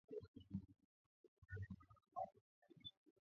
Nyanya Ukubwa wa kati nne